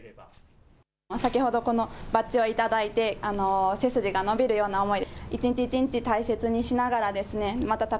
先ほどバッジを頂いて背筋が伸びるような思い。